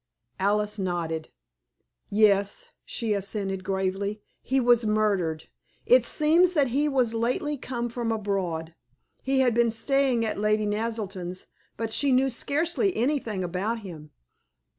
Alice nodded. "Yes," she assented, gravely. "He was murdered. It seems that he was lately come from abroad. He had been staying at Lady Naselton's, but she knew scarcely anything about him.